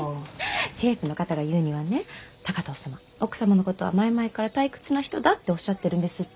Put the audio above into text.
政府の方が言うにはね高藤様奥様のことは前々から退屈な人だっておっしゃってるんですって。